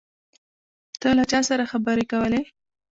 ته له چا سره خبرې کولې؟